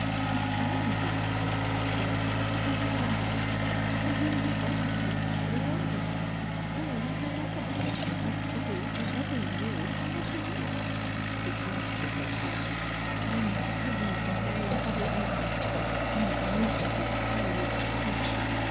I am the 'old' Diana to whom you were engaged, and whom you heartlessly 'threw over^ Her, and no other'— as 'old' as ever in years though not m looks!" .^ J His grasp of her tightened. "Then in Heaven's name have your own way, vou beautiful crazed creature!"